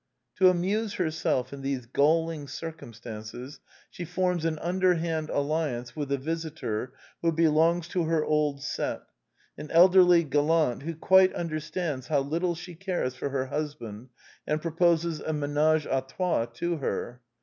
To amuse herself in these galling circumstances, she forms an underhand alliance with a visitor who belongs to her old set, an elderly gallant who quite understands how little she cares for her husband, and proposes a menage a trots to her.